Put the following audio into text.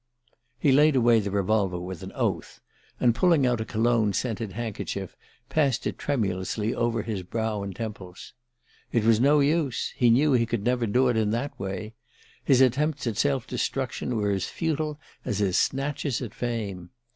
He laid away the revolver with an oath and, pulling out a cologne scented handkerchief, passed it tremulously over his brow and temples. It was no use he knew he could never do it in that way. His attempts at self destruction were as futile as his snatches at fame!